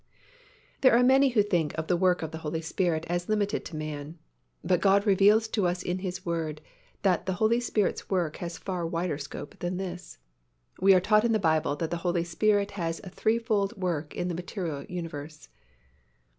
There are many who think of the work of the Holy Spirit as limited to man. But God reveals to us in His Word that the Holy Spirit's work has a far wider scope than this. We are taught in the Bible that the Holy Spirit has a threefold work in the material universe.